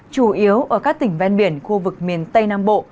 chủ yếu ở các tỉnh ven biển khu vực miền tây nam bộ